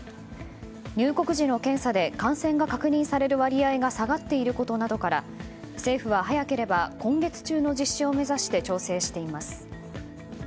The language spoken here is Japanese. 入国時の検査で感染が確認される割合が下がっていることなどから政府は、早ければ今月中の実施を目指して調整しています。